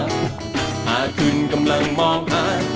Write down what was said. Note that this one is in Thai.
หากคุณกำลังมองอาย